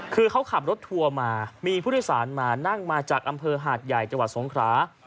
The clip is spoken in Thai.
คือเขาขับรถทัวร์มามีผู้โดยสารมานั่งมาจากอำเภอหาดใหญ่จังหวัดสงครา